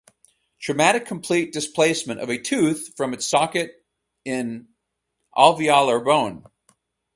Traumatic complete displacement of a tooth from its socket in alveolar bone.